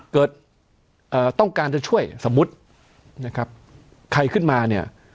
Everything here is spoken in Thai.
เกิดต้องการจะช่วยสมมุตินะครับใครขึ้นมาเนี่ย